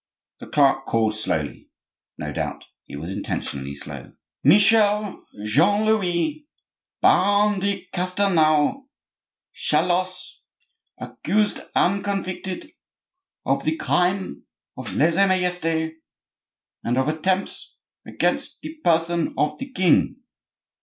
The clerk called slowly—no doubt he was intentionally slow:— "Michel Jean Louis, Baron de Castelnau Chalosse, accused and convicted of the crime of lese majeste, and of attempts against the person of the king."